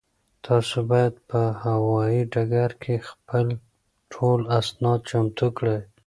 تاسو باید په هوایي ډګر کې خپل ټول اسناد چمتو کړئ.